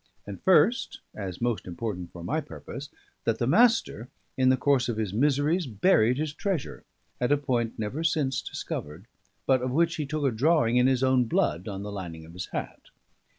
And first (as most important for my purpose) that the Master, in the course of his miseries, buried his treasure, at a point never since discovered, but of which he took a drawing in his own blood on the lining of his hat.